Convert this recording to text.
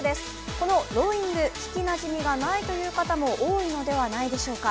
このローイング、聞きなじみがないという方も多いのではないでしょうか。